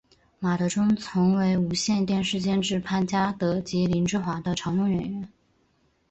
马德钟曾为无线电视监制潘嘉德及林志华的常用演员。